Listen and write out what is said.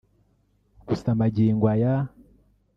Gusa magingo aya